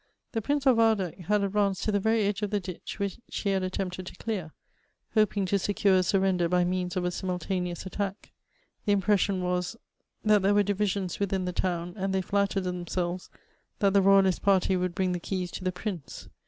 The Prince of Waldeck had advanced to the very edge of the ditch, which he had attempted to clear, hoping to secure a surrender by means of a simultaneous attack ; the impression was, that there were divisions within the town, and they flattered themselves that the royalist party would bring the keys to the prince.